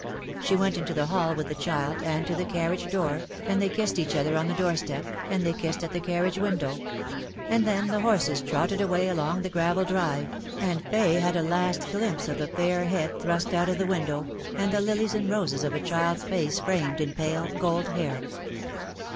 She went into the hall with the child, and to the carriage door, and they kissed each other on the doorstep, and they kissed at the carriage window ; and then the horses trotted away along the gravel drive, and Fay had a last glimpse of the fair head 38 The fatal thrust out of the window, and the lilies and roses of a child's face framed in pale gold hair.